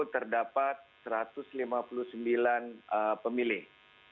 terdapat satu ratus lima puluh sembilan pemilih